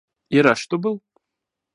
И рад, что был.